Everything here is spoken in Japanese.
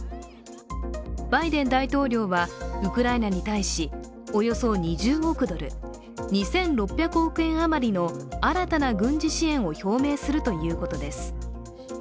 バイデン大統領はウクライナに対し、およそ２０億ドル、２６００億円余りの新たな軍事支援を表明するということです。